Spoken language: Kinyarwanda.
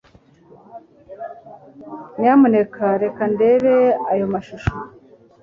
Nyamuneka reka ndebe ayo mashusho.